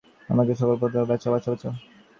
আমাকে সকল অপরাধ হইতে বাঁচাও, বাঁচাও, বাঁচাও।